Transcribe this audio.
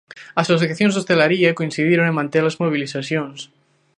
As asociacións da hostalaría coincidiron en manter as mobilizacións.